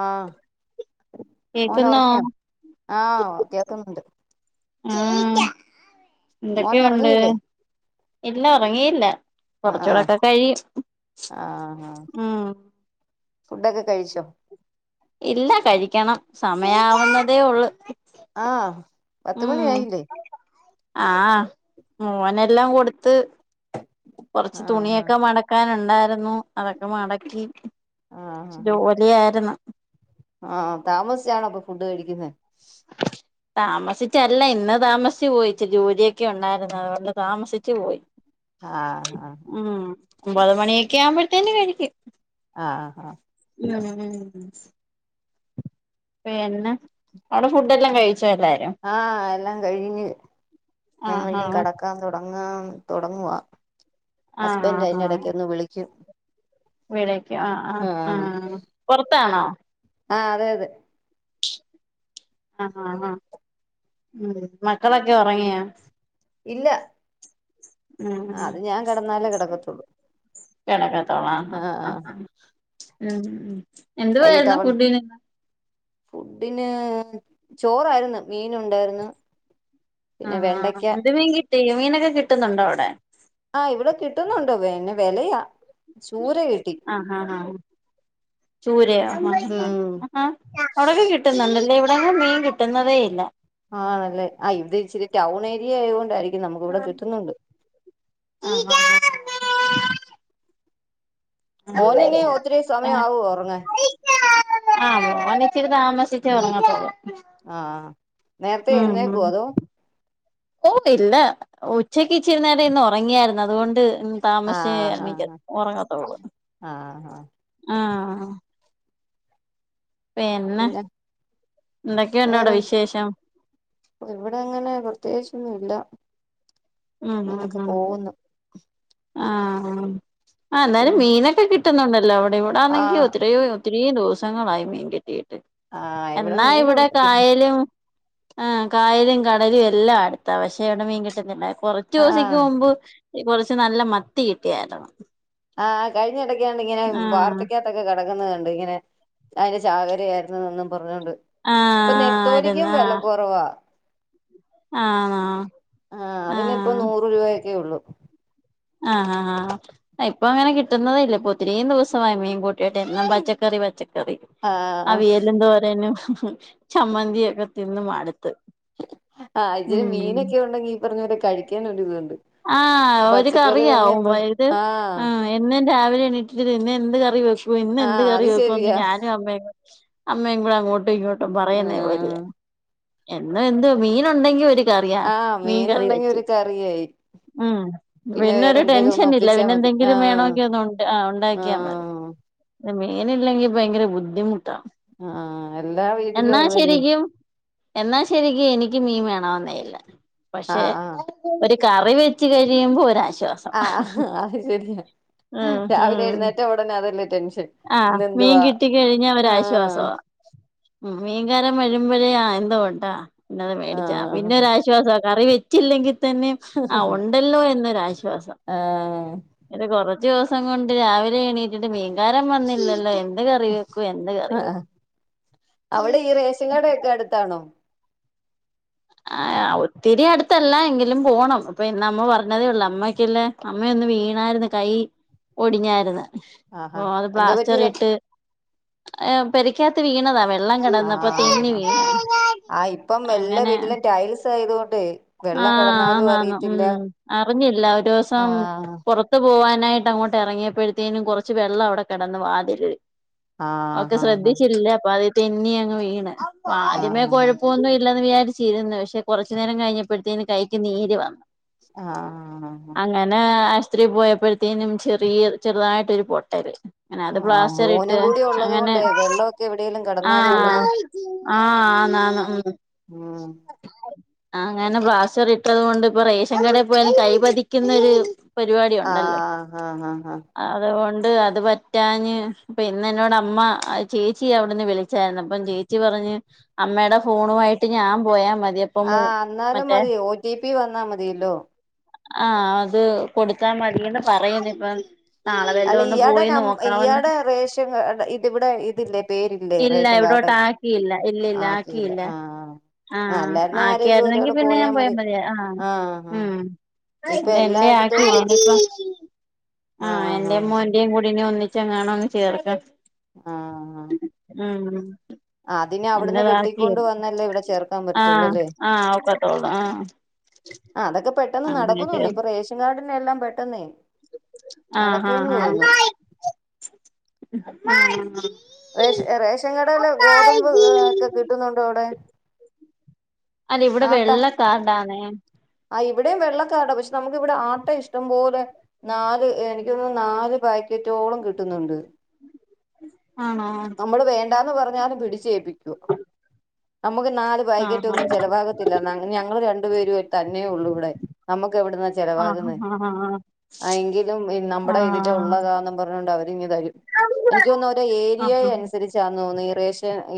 ആ ഓന് കേക്കുന്നോ ഉറങ്ങിയോ ആഹ് കേക്കുന്നുണ്ട് ഉം മോൻ എന്തൊക്കെയുണ്ട് ഉറങ്ങിയില്ലേ ഇല്ല ഉറങ്ങിയില്ല ആഹ് ആഹ് കൊറച്ചൂടോക്കെ കഴിയും ആഹ് ആഹ് ഉം ഫുഡൊക്കെ കഴിച്ചോ ഇല്ല കഴിക്കണം സമയവുന്നതേ ഉള്ളൂ ആഹ് പത്ത് മണി ആയില്ലേ ആഹ് മോനെല്ലാം കൊടുത്ത് കുറച്ച് ആഹ് തുണിയൊക്കെ മടക്കാണ്ടായിരുന്നു അതൊക്കെ മടക്കി ജോലിയായിരുന്നു ആഹ താമസിച്ചാണ അപ്പൊ ഫുഡ് കഴിക്കുന്ന താമസിച്ചല്ല ഇന്ന് താമസിച്ചച്ച് പോയിച്ച് ജോലിയൊക്കെ ഉണ്ടായിരുന്നു അതുകൊണ്ട് താമസിച്ചു പോയി ആഹ ആഹ്ഹ ഉം ഒമ്പത് മണിയൊക്കെ ആവുമ്പോഴത്തേന്നെ കഴിക്കും ആഹ് ആഹ ഉ ഉ പിന്നെ അവിടെ ഫുഡ് എല്ലാം കഴിച്ചു ആഹ എല്ലാം കഴിഞ്ഞ് ഞങ്ങ ആഹ് ഇനും ആഹ് കിടക്കാൻ തുടങ്ങ അങ്ങ തുടങ്ങുവ ആഹ് ഹസ്ബൻഡ് അതിറെ ഇടക്ക് ഒന്ന് വിളിക്കും വീണേക്ക് ആ ആ ആ പൊറത്താണോ ആ അതെ അതെ ആ ഉം മക്കളൊക്കെ ഉറങ്ങിയോ ഇല്ല ഉം ആ ഉം അത് ഞാൻ കിടന്നാലേ കിടക്കത്തുള്ളു കിടക്കത്തോളാം ആ ആ ഉം എന്തു വൈകിട്ട് വായിരുന്നു അവള് ഫുഡിന് ഫുഡിന് ചോറായിരുന്നു മീൻ ഉണ്ടായിരുന്നു ആ പിന്നെ വെണ്ടയ്ക്ക എന്ത് മീൻ കിട്ടി മീനൊക്കെ കിട്ടുന്നുണ്ടോ അവിടെ കിട്ടുന്നുണ്ടോ പിന്നെ വെലയാ ആ ആ ആ ചൂരയോ ആ ഉം ആ അവിടക്കെ കിട്ടുന്നുണ്ടല്ലേ ഇവിടെ മീൻ കിട്ടുന്നതേ ഇല്ല ആണല്ലേ ആ ഇവിടെ ഇച്ചിരി ടൗൺ ഏരിയ ആയൊണ്ടായിരി ക്കും നമുക്ക് ഇവിടെ കിട്ടുന്നുണ്ട് ആ മോനിനി ഒത്തിരി ആ സമയം ആ ആവോ ഉറങ്ങാൻ ആ മോന് ഇത്തിരി താമസിച്ചേ ഉറങ്ങത്തൊള്ളൂ ആ നേരത്തെ എഴുന്നേക്കേ ഉം അതോ ഓ ഇല്ല ഉച്ചക്ക് ഇച്ചിരി നേരം ഇന്ന് ഉറങ്ങിയായിരുന്നു അതുകൊണ്ട് ആഹ് താമസിച്ചണിക്ക ആഹ് ആഹ് ആഹ് ഉറങ്ങത്തോള്ളൂആ എന്ന് പിന്നെ വേറെ ഇവിടെ അങ്ങനെ പ്രത്യേകിച്ചൊന്നും ഇല്ല ഉം ഉം ഇങ്ങനൊക്കെ ഹം പോകുന്നു ആ ആ എന്നാലും മീനൊക്കെ കിട്ടുന്നുണ്ടല്ലോ അവിടെ ഇവിടെ ആണെങ്കിൽ ആഹ് ഒത്തിരിയോ ഒത്തിരി ദിവസങ്ങളായി മീൻ കിട്ടിയിട്ട് ആഹ് എന്നാ ഇവിടെ മീനുണ്ട് കിട്ടും കായലും ആ കായലും കടലും എല്ലാം അടുത്താ പക്ഷേ ടെ മീൻ കിട്ടുന്നില്ല കൊറച്ച് ദിവസക്ക് ആഹ് മുമ്പ് കൊറച്ച് നല്ല മത്തി കിട്ടിയായിരുന്നു ആ കഴിഞ്ഞിടക്കാാണ് ഇങ്ങനെ ആഹ് വാർത്തയ്ക്കകത്തൊക്കെ കിടക്കുന്നത്ണ്ട് ഇങ്ങനെ അതിന്റെ ചാകരയായിരുന്നു ഒന്നും പറഞ്ഞോണ്ട് ആഹ് ഇപ്പൊ നെത്തോലിക്കും വില കുറവാ ആ ആ അതിനി ഇപ്പേ നൂറ് രൂപയൊക്കെ ഉള്ളു ആഹ് ആ ആ ഇപ്പൊ അങ്ങനെ കിട്ടുന്നതല്ല ഇപ്പൊ ഒത്തിരിയും ദിവസമായി മീൻ കൂട്ടിയിട്ട് എന്നും പച്ചക്കറി പച്ചക്ക റി ആഹ് അവിയലും തോരനും ചമ്മന്തിയൊക്കെ തിന്ന് മടുത്ത് ആ ഇച്ചിരി ഉം മീനൊക്കെ ഉണ്ടെങ്കിൽ ഈ പറഞ്ഞ പോരെ കഴിക്കൻ ഒരിതുണ്ട് ആ ഒരു പച്ചക്കറി തന്നെ കറിയാവും ഇവിടെ അത് ആഹ് ആ എന്നും രാവിലെ എണ്ണീട്ടിട്ട് ഇന്ന് എന്ത് കറി വെക്കും ഇന്ന് എന്ത് ആഹ് കറി അത് വെക്കും എന്ന് ശരിയാ ഞാനും അമ്മേം കൂടെ അമ്മയും കൂടെ അങ്ങോട്ടും ഇങ്ങോട്ടും പറയുന്നേ പോരില്ല ആഹ് എന്ന എന്ത് മീന ഉണ്ടെങ്കി ഒര് കറിയ ആഹ് മീൻ കറി മീനുണ്ടെങ്കി വെച്ച് ഒരു കറിയായി ഉം പിന്നെ വേറെ പിന്നൊരു എന്തേലും ഒന്ന് ടെൻഷൻ ഇല്ല ഒപ്പിച്ചാ പിന്നെ മതി എന്തെങ്കിലും വേണമെങ്കിൽ ഒന്ന് ഉ ഉണ്ടാക്കിയാൽ മതി ആഹ മീനില്ലെങ്കിൽ ഭയങ്കര ബുദ്ധിമുട്ടാ ആ എല്ലാ വീട്ടിലും എന്നാ അത് തന്നെ ശരിക്കും എന്നാ ശരിരിക്കും എനിക്ക് മീൻ വേണെന്നായില്ല പക്ഷെ ആഹ് ഒരു കറി വെച്ച് കഴിയുമ്പോ ഒരാശ ആ അത് ശരിയ ആ ഹ ടെൻഷൻ ആ മീൻ ഇന്നെന്തുവാ കിട്ടി കഴിഞ്ഞാ ഒരു ആഹ് ആശ്വാസമാ ഉം മീൻകാരം വഴുമ്പോഴേ എന്ത് കൊണ്ടാ പിന്ന മേടിച്ചാ പിന്നെ ആഹ് ഒരാശ്വാസ കറി വെച്ചില്ലെങ്കിൽ തന്നെ ആ ഉണ്ടല്ലോ എന്നൊരാശ്വാസം കുറ ച്ച് ദിവസം കൊണ്ട് രാവിലെ എണീറ്റിട്ട് മീൻകാരം വന്നില്ലല്ലോ എ ന്തു കറി വെക്കും എന്ത്ക്കറി ആഹ് വെക്കും അവിടെ ഈ റേഷൻ കട ഒക്കെ അടുത്താണോ ആ ഒത്തിരി അടുത്തല്ല എങ്കിലും പോണം അപ്പൊ ഇന്ന് അമ്മ പറഞ്ഞതേ ഉള്ളൂ അമ്മയ്ക്കല്ലേ അമ്മയെ ന്ന് വീണായിരുന്നു കൈ ഒടിഞ്ഞായിര്ന്ന് ആഹാ അപ്പ അത് എന്തോ പ്ലാസ്റ്ററി പറ്റിയതാ ഇട്ട് പെരിക്കാത്ത് വീണതാ വേ വെള്ളം കിടന്നപ്പോ തിങ്ങി ആഹ് വീണ ആഹ് ഇപ്പം എല്ലാ അങ്ങനെ വീട്ടിലും ടൈൽസ് ആയതുകൊണ്ട് വെള്ളം ആഹ കിടന്നാലും ആ ഉ അറിയത്തില്ല അറിഞ്ഞില്ല ഒരു ദിവസം ആഹ് പുറത്ത് പോകാനായിട്ട് അങ്ങോട്ട് ഇറങ്ങിയപ്പോഴത്തേനും കുറച്ച് വെള്ളം അവിടെ കിടന്നു വാതിലിൽ ഒക്കെ ആഹ് ആഹ് ശ്രദ്ധിച്ചില്ലേ അപ്പൊ അത് തെന്നി അങ്ങ് വീണ് ആഹ് ആദ്യമേ ആഹ് കൊഴപ്പമൊന്നും ഇല്ലന്ന് വ ചീരുന്നു പക്ഷെ കുറച്ചു നേരം കഴിഞ്ഞപ്പോഴത്തേന്ന് കൈക്ക് നീര് വന്നു ആഹ് ഒത്തിരി പോയപ്പോഴത്തേനും ചെറിയ ചെറുതായിട്ടൊരു പൊട്ടല് അങ്ങനെ അത് ആഹ് പ്ലാസ്റ്റർ ഇട്ട് മോനും കൂടി ഉള്ളത് അങ്ങനെ കൊണ്ട് വെള്ളമൊക്കെ എവിടെേലും കിടന്നാല് ആഹ നമ്മൾ ആ ആണ ആ ഉ ഉം അങ്ങനെ പ്ലാസ്റ്റർ ഇട്ടത് കൊണ്ട് ഇപ്പൊ റേഷൻ കട പോയാലും കൈ പതിക്കുന്നൊരു പരിപാടി ഉണ്ടല്ലോ ആഹ് ആഹ് ആഹ് ആഹ് അതൊണ്ട് അത് പറ്റാ ഇന്നോട് അമ്മ ചേച്ചി അവിടുന്ന് വിളിച്ചായിരുന്നു അപ്പം ചേച്ചി പറഞ്ഞ അമ്മയുടെ ഫോണുയിട്ട് ഞാൻ പോയാ മതി അപ്പൊ മു ആഹ എന്നാലും മറ്റേ മതി ഓ ടി പി വന്നാ മതിയല്ലോ ആഹ അത് കൊടുത്താ മതിന്ന പറയുന്ന ഇപ്പ അല്ല ഇയാടെ ന ഇയാടെ റേഷൻ ഇതി ഇവിടെ ഇതില്ലേ പേരില്ലേ റേഷൻ കാ ട്ട് ആക്കിയില്ല ഇല്ല ഇല്ല ആക്കിയില്ല ആഹ് ആഹ് ആഹ അല്ലായിരുന്ന ആരെലും ആക്കിയായിരുന്നെങ്കി ഒരാള് പിന്നെ ഞാൻ പോയാ മതി മതിയാ ആ് ആഹ് ആഹ് ഉം ഇപ്പൊ എന്റെ ആക്കി എല്ലായിടത്തും ആഹ് എന്റെ ആഹ് എന്റെ മോന്റെയും കുടീനേയും ഒന്നിച്ച എങ്ങാണ ഒന്ന് ചേർക്ക ആഹ ആ അതിന് അവിടുന്ന് വെട്ടിക്കൊണ്ട് എന്റെതാക്കിയില്ല വന്നല്ലേ ഇവിടെ ചേർക്കാൻ ആഹ് പറ്റത്തുള്ളൂല്ലേ ആഹ് ഒക്കത്തോള്ളൂ ആഹ് ആ് അതൊക്കെ പെട്ടെന്ന് അങ്ങനെ നടക്കുന്നു തോന്നു ഇപ്പൊ റേഷൻ കാർഡിനെ എല്ലാം പെട്ടെന്നേ ആഹ നടക്കൂന്ന് ആഹ് തോന്നുന്നു ആഹ റേഷ റേഷൻ കടല്ല ഗോതമ്പ് ഒക്കെ കിട്ടുന്നുണ്ടോ അവിടെ അല്ല ഇവിടെ വെള്ളക്കാർടാണ്േ ആ് ഇവിടെയും വെള്ളക്കാർടാ പക്ഷെ നമുക്ക് ഇവിടെ ആട്ട ഇഷ്ടംപോലെ നാല് എനിക്കന്ന് നാല് പ ഏറ്റോളം കിട്ടുന്നുണ്ട് ആഹ [unintelligible] [inaudible] എണ്ടാന്ന് പറഞ്ഞല് പിടിച്ചേഏപ്പിക്കൂ നമുക്ക് നാല് പാക്കറ്റ് ആഹ് ഒന്നും ചെലവാകത്തില്ല ഞങ്ങള് രണ്ടുപേര തന്നെയേ ഉള്ളൂ ഇവിടെ നമു എവിടുന്നാ ആഹ് ചെലവാകുന്ന ആഹ് ആഹ് ആങ്കിലും നമ്മുടെ ഇതില ആഹ് ഉള്ളതാന്നും പറഞ്ഞോണ്ട് അവരിനി തരും എനിക്ക് തന്ന ഒരു ഏരിയ ആഹ് അനുസരിച്ചാ തോന്ന പ്ര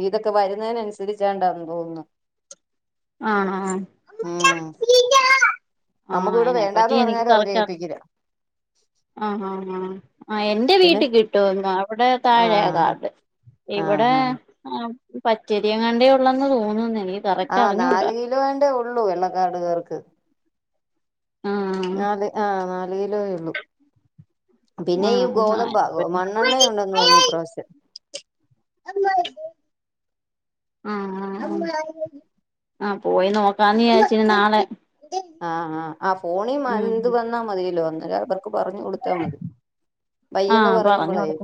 ഇതൊക്കെ വരുന്നതിനന്നുസരിച്ചാണ്ടാന്ന് തോന്നുന്നു ആഹ ആഹ നമുക്കിവിടെ വേണ്ടാന്ന് പറഞ്ഞാല അവര് ഏൽപ്പിക്കില്ല ആഹ ആഹ് ആഹ് ആ എൻന്റെ പിന്നെ വീട്ടിൽ കിട്ടുംന്ന് അവിടെ താഴെ ആഹ് കാർഡ് ഇവിടെ ആഹ് ആഹ് ആ പച്ചേരിങ്ങാണ്ടേ ഉള്ളന്ന് തോന്നുന്നുന്ന ആ നാാല കിലോ വേണ്ടേ ഉള്ളൂ വെള്ളക്കാട്ുകേർക്ക് ആഹ് നാല് ആഹ നാല് കിലോേ ഉള്ളു പിന്നെ ഈ ആഹ് ഗോതമ്പ അയിനെപ്പറ്റി മണ്ണെണ്ണയ ഉണ്ടന്ന് തോന്നി പ്രാവശ്യം നമ്മായി ആ ആ പോയി നോക്കാന്ന് ചച്ചി നാളെ ആഹ ആ് ആ ഫോണി ഉം എന്ത് വന്നാ മതില്ലോ അന്നേര അവർക്ക് പറഞ്ഞു കൊടുത്താ മതി വയ്യന്ന് ആഹ പറയുമ്പോളേ പറഞ്ഞടക്ക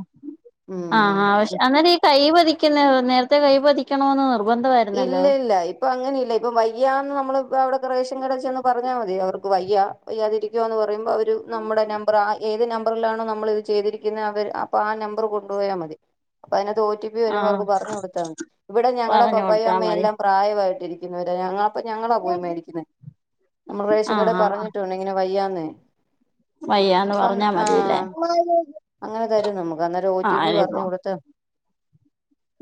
ആ ഉം പക്ഷെ അന്നേരം ഈ കൈ പതിക്കുന്ന നേരത്തെ കൈ പതിക്കണന്ന് നിക്ക ഇല്ല ഇല്ല ഇപ്പൊ അങ്ങനെ ഇല്ല ഇപ്പം വയ്യന്ന് നമ്മള് ഇപ്പ അവിടെൊക്കെ റേഷൻ കടച്ച ഒന്ന് പറഞ്ഞാ മതി അവർക്ക് വയ്യ വയ്യാതിരിക്കുക എന്ന് പറയുമ്പോ അവര് നമ്മുടെ നമ്പർ ആ ഏത് നമ്പറിലാണോ നമ്മൾ ഇത് ചെയ്തിരിക്കുന്നത് അവ അപ്പൊ ആ നമ്പർ കൊണ്ടുപോയാൽ മതി അപ്പൊ അതിന ഒ ടി പി ആഹ് വരുമ്പോവർക്ക് പറഞ്ഞ കൊടുത്താണ് ഇവിടെ ഞങ്ങളുടെ പറഞ്ഞു പപ്പയും കൊടുത്താ മതി അമ്മയെല്ലാം പ്രായമായിട്ട് ഇരിക്കുന്നു ഞങ്ങ അപ്പൊ ഞങ്ങളാ പോയി മേടിക്കുന്നത് നമ്മൾ റേഷൻ കട പറഞ്ഞിട്ടുണ്ട് ഇങ്ങനെ വയ്യാന്ന് ഉ വയ്യന്ന് അപ്പം പറഞ്ഞാ മതില്ലേ ആഹ് അങ്ങനെ തരും നമുക്ക് അന്നേരം ഒ ആ ടി പി അനപ്പോ പറഞ്ഞു കൊടുത്ത്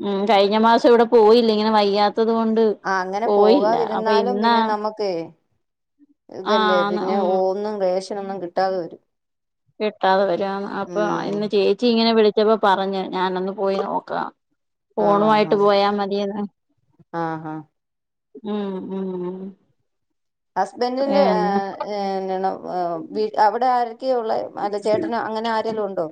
ഉം കഴിഞ്ഞ മാസം ഇവിടെ പോയില്ല ഇങ്ങനെ വയ്യാത്ത ത്തത് കൊണ്ട് ആ അങ്ങനെ പോയില്ല അപ്പൊ പോകാതിരുന്നാലും ഇാ പിന്നെ നമുക്ക് ഇതല്ലേ പിന്നെ ഉം ഒന്നും റേഷന ഒന്നും കിട്ടാതെ വരും കിട്ടാതെ വരുന്ന് അപ്പൊ ഉം ഇന്ന് ചേച്ചി ഇങ്ങനെ വിളിച്ച പച്ചപ്പോ പറഞ്ഞഞ് ഞാാന അന്ന് പോയി നോക്കാം ആഹ് ഫഓണുമായിട്ട് ആഹ് പോയാ മതിയന്ന്ാ ആഹ് ആഹ് ഉം ഉം ഉ ഹസ്ബൻറിിന്റെ അവിടെ ആ ഒക്കെയള്ള അല്ല ചേട്ടന അങ്ങനെ ആരെലും ഉണ്ടോ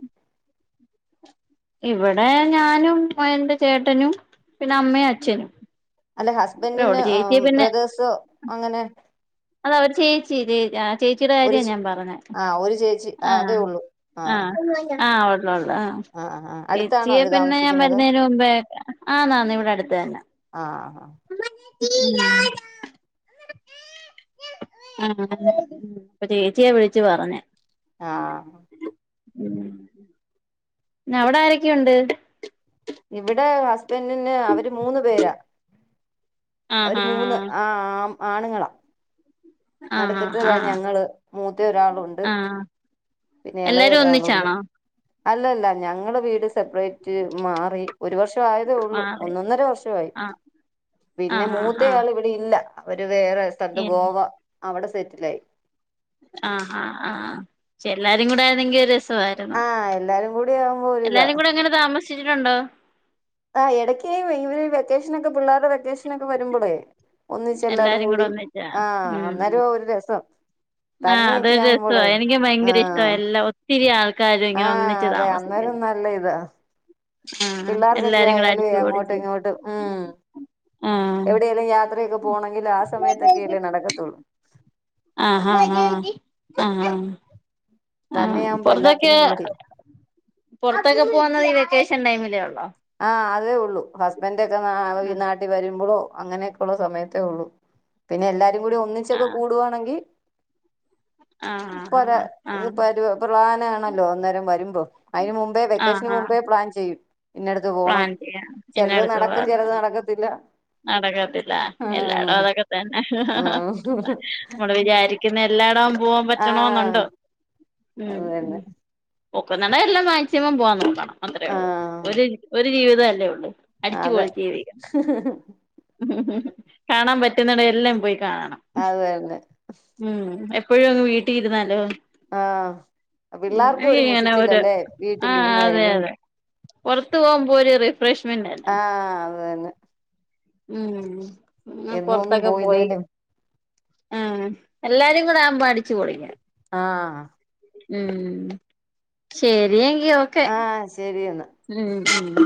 ഇവിടെ ഞാനും എറെ ചേട്ടനും പിന്നെ അമ്മയും അച്ഛനും അല്ലെ ഹസ്ബൻഡന് അവരോട് ചേച്ചി ബ്രദേേഴ്സോ അങ്ങനെ അത അവ ചേച്ചേ ചേച്ചിയുടെ ഒരു കാര്യ ചേ- ഞാൻ പറഞ്ഞത് ആ ഒരു ചേച്ചി ആ, ആഹ അതേ ഉള്ളൂ ആഹ് ആഹ ല്ല ആഹ് ആഹ് അടുത്താണോ ചേച്ചിയ അവര് പിന്നെ ഞാൻ താമസിക്കുന്നത് വരുന്നന് മുമ്പേെ ആ നാന്ന ഇവിടെ അടുത്ത തന്നെ ആഹ ഉം ആ ചേച്ചിയ വിളിച്ചു പറഞ്ഞ ആഹ അവിടെ ആരൊക്കെയുണ്ട് ഇവിടെ ഹസ്ബൻഡന് അവര് മൂന്ന് പേരാ ഒരു ആഹ് മൂന്ന് ആ ആം ആണുങ്ങളാ ആഹ് ആഹ് ആഹ് നടക്കത്തതാ ആഹ് ഞങ്ങള് മൂത്ത ഒരാളുണ്ട് ആഹ് പിന്നെ ഇളയ എല്ലാരും ഒരാളുണ്ട് ഒന്നിച്ചാണോ അല്ല അല്ല ഞങ്ങ വീട് സെപ്പറേറ്റ് മറ്റ് മാറി ഒരു വർഷം ആയതേ ഉള്ളൂ ആഹ് അതെ ഒന്നൊന്നര വർഷമായി ആഹ് പിന്നെ ആഹ് ആഹ് ആഹ് മൂത്തയാൾ ഇവിടെ ഇല്ല അവര് വേറെ സ്ഥലത്ത് ഗോവ അവിടെ സെറ്റില ആായി ആഹ ആാ ആ പെ എല്ലാരും കൂടെ ആതെങ്കിൽ ര ായിരുന്നു ആഹ് എല്ലാരും കൂടി ആകുമ്പോ ഒരിതാ എല്ലാരും കൂടെ എങ്ങനെ താമസിച്ചിട്ടുണ്ടോ ആ ഇടയ്ക്കായി ഇവര് വെക്കേഷൻൊക്കെ പിള്ളേരുടെ വെക്കേഷനൊക്കെ വരുമ്പോളേ ഒന്നച്ച് എല്ലാരും കൂടെ കൂടി ഒന്നിച്ചാ ആഹ ഉം അന്നേരം ഒരു രസം ആഹ് തന്നെയൊക്കെ അതൊരു രസവാ ആവുമ്പോള് എനിക്ക് ഭയങ്കര ആഹ ഇഷ്ടവാ എല്ലാ ഒത്തിരി ആൾക്കാരും ഇങ്ങനെ ആഹ ഒന്നിച്ച് അതെ അന്നേരം താമസിക്കുന്നെ നല്ല ഇതാ ആഹ് പിള്ളേർക്കൊക്കെ എല്ലാരും കൂടെ ആയാല അടിച്ച് അങ്ങോട്ട് പൊളിച്ച് ഇങ്ങോട്ട് ഉം ആഹ് എവിടെേലും യാത്രയൊക്കെ പോണെങ്കിൽ ആ സമയത്തൊക്കെ അല്ലേ നടക്കത്തോള്ളൂ ആഹ് ആഹ് ആഹ് ആഹഹ് ആ തന്നെയാകുമ്പോ പുറത്തൊക്കെ എല്ലാത്തിനും മടിയ പുറത്തൊക്കെ പോകുന്നത് ഈ വെക്കേഷൻ ടൈമിലേ ഉള്ളോ ആഹ് അതേ ഉള്ളൂ ഹസ്ബൻടൊക്കെ ന നാട്ടിൽ വരുമ്പോഴോ അങ്ങനെയൊക്കെ ഉള്ള സമയത്തേ ഉള്ളൂ പിന്നെ എല്ലാരും കൂടി ഒന്നിച്ചൊക്കെ ആഹ് കൂടുകവാണെങ്കിൽ ആഹ് ആഹ് പല ആഹ് ഇത് ആഹ് പരുവ പ്ലാൻ ആണല്ലോ അന്നേരം വരുമ്പോ അതിന് മുമ്പേ വെക്കേഷന് ആഹ് ആഹ് മുമ്പേ പ്ലാൻ ചെയ്യും ഇന്നടുത്ത് പോണം പ്ലാൻ ചെയ്യ പിന്ന ചിലത് അടുത്ത നടക്കും പ്ലാൻ ചിലത് നടക്കത്തില്ല നടക്കത്തില്ല എല്ലായിടും ആഹ് അതൊക്കെ തന്നെ ആഹ് നമ്മള് വിചാരിക്കുന്ന എല്ലായിടവും പോവാൻ പോവാൻപറ്റണം എന്നുണ്ടോ ആഹ് അത് ഉം തന്നെ പോകുന്നടം എല്ലാം മാക്സിമം പോവാൻ നോക്കണം അത്രേ ഉള്ളൂ ആഹ് ഒരു ഒരു ജീവിതം അല്ലേ ഉള്ളൂ അതെ അടിച്ചുപൊളിച്ചു ജീവിക്കണം കാണാൻ പറ്റുന്നെടം എല്ലാം പോയി കാണണം അത് തന്നെ മ് എ എപ്പഴും അങ്ങ് വീട്ടിലിരുന്നാലോ ആഹ് പിള്ളേർക്കും ഒരു [unintelligible] ഒരു മുഷിച്ചില്ലല്ലേ ആ വീട്ടിലിരുന്ന് അതെ കഴിയും അതെ പുറത്തു പോകുമ്പോ ഒരു ർ ആ അത് തന്നെ ഉം പിന്ന എന്നും ഒന്നും പൊറത്തൊക്കെ പോയി പോയില്ലേലും ആ എല്ലാരും കൂടെ ആകുമ്പ അടിച്ചുപൊളിക്കാം ആഹ് ഉം ശരി ആഹ് ശരിയെന്ന ഉം ഉം